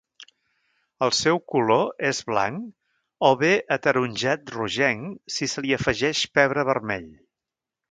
El seu color és blanc o bé ataronjat rogenc si se li afegeix pebre vermell.